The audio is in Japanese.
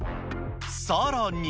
さらに。